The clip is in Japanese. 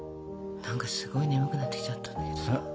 何かすごい眠くなってきちゃったんだけどさ。